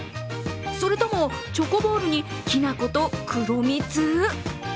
それともチョコボールにきな粉と黒蜜？